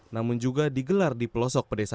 namun juga digelar di pelosok pedesaan